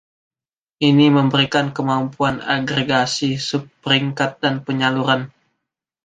Ini memberikan kemampuan agregasi, sub-peringkat, dan penyaluran.